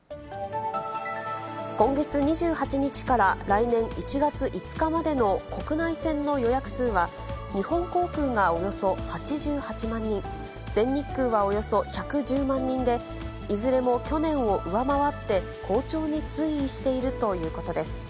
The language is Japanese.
今月２８日から来年１月５日までの国内線の予約数は、日本航空がおよそ８８万人、全日空はおよそ１１０万人で、いずれも去年を上回って、好調に推移しているということです。